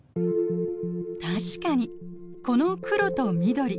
確かにこの黒と緑。